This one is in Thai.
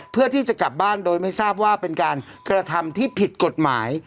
เพื่อที่จะกลับบ้านโดยไม่ทราบว่าเป็นการกระทำที่ผิดกฎหมาย